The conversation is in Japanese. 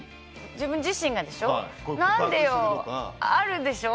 自分自身がでしょ。